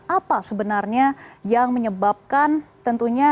apa sebenarnya yang menyebabkan tentunya